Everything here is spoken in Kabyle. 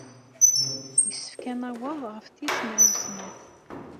Yessefk ad naweḍ ɣef tis mraw snat.